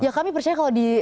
ya kami percaya kalau di